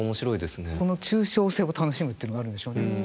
この抽象性を楽しむっていうのがあるんでしょうね。